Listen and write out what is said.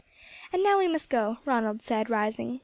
"And now we must go," Ronald said, rising.